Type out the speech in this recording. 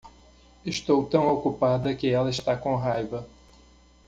Estou tão ocupada que ela está com raiva.